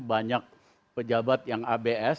banyak pejabat yang abs